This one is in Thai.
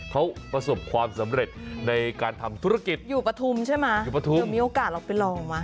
เขาประสบความสำเร็จในการทำธุรกิจอยู่ประทุมใช่มั้ยอยู่ประทุมเดี๋ยวมีโอกาสเราไปลองมั้ย